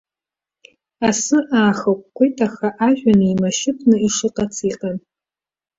Асы аахыкәкәеит, аха ажәҩан еимашьыпны ишыҟац иҟан.